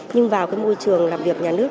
nhưng vào cái môi trường làm việc nhà nước